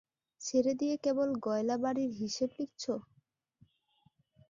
ছেড়ে দিয়ে কেবল গয়লাবাড়ির হিসেব লিখছ!